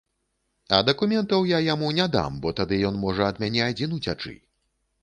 А дакументаў я яму не дам, бо тады ён можа ад мяне адзін уцячы.